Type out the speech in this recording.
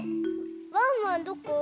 ワンワンどこ？